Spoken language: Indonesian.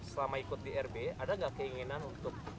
selama ikut di rb ada nggak keinginan untuk